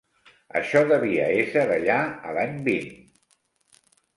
Això devia ésser allà a l'any vint.